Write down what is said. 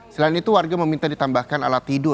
selain itu warga meminta ditambahkan alat tidur